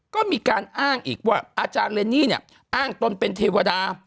ก็มีการอ้างอีกว่าอาจารย์เรนนี่เนี่ยอ้างตนเป็นเทวดา